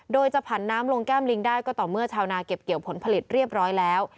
โดยจะผันน้ำลงแก้มลิงได้ก็ต่อเมื่อชาวนาเก็บเกี่ยวผลผลิตเรียบร้อยแล้ว